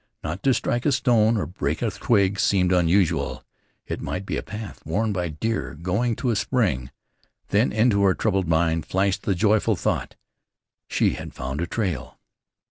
Not to strike a stone or break a twig seemed unusual. It might be a path worn by deer going to a spring. Then into her troubled mind flashed the joyful thought, she had found a trail.